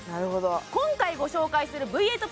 今回ご紹介するＶ８